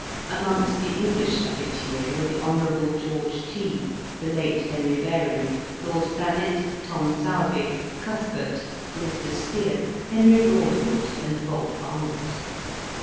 Amongst the English habitues were the Hon. George T , the late Henry Baring, Lord Thanet, Tom Sowerby, Cuthbert, Mr. Steer, Henry Broadwood, and Bob Arnold.